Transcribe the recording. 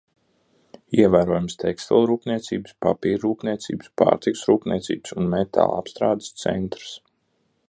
Ievērojams tekstilrūpniecības, papīra rūpniecības, pārtikas rūpniecības un metālapstrādes centrs.